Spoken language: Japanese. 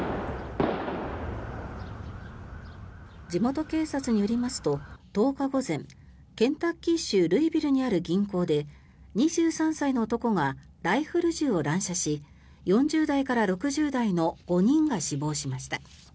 地元警察によりますと１０日午前ケンタッキー州ルイビルにある銀行で２３歳の男がライフル銃を乱射し４０代から６０代の５人が死亡しました。